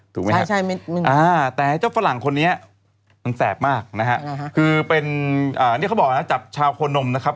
แต่เจ้าฝรั่งคนนี้มันแสบมากนะฮะคือเป็นนี่เขาบอกนะจับชาวโคนมนะครับ